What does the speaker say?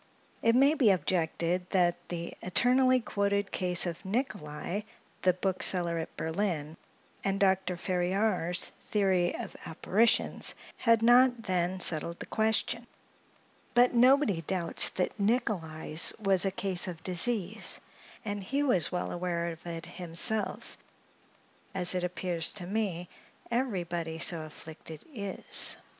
It may be objected that the eternally quoted case of Nicolai, the bookseller at Berlin, and Dr. Ferriar's "Theory of Apparitions," had not then settled the question; but nobody doubts that Nicolai's was a case of disease; and he was well aware of it himself, as it appears to me, everybody so afflicted, is.